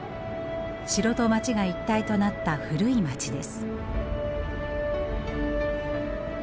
城と街が一体となった古い街です。